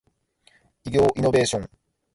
医療イノベーション